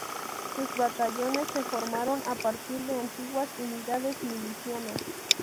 Sus batallones se formaron a partir de antiguas unidades milicianas.